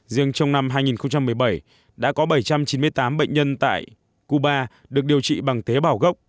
riêng trong năm hai nghìn một mươi bảy đã có bảy trăm chín mươi tám bệnh nhân tại cuba được điều trị bằng tế bảo gốc